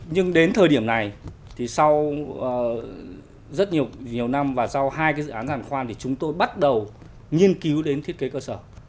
nhưng đến thời điểm này thì sau rất nhiều năm và sau hai cái dự án hàn khoan thì chúng tôi bắt đầu nghiên cứu đến thiết kế cơ sở